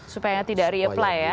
supaya tidak reapply ya